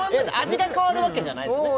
味が変わるわけじゃないっすね